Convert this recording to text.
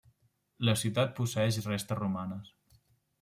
La ciutat posseeix restes romanes.